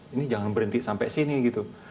ini jangan berhenti sampai sini gitu